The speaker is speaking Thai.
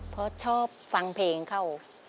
เพราะชอบฟังเพลงเขา